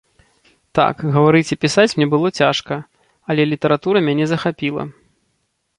Так, гаварыць і пісаць мне было цяжка, але літаратура мяне захапіла.